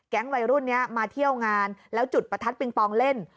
วัยรุ่นนี้มาเที่ยวงานแล้วจุดประทัดปิงปองเล่น